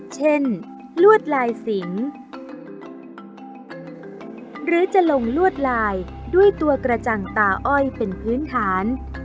ลวดลายสิงหรือจะลงลวดลายด้วยตัวกระจังตาอ้อยเป็นพื้นฐาน